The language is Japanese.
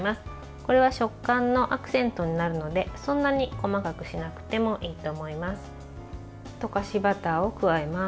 これは食感のアクセントになるのでそんなに細かくしなくてもいいと思います。